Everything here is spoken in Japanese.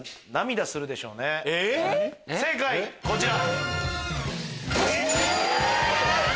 正解こちら。